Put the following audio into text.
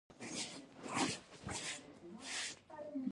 د ماخستن له لمانځه وروسته په بستره وغځېدم.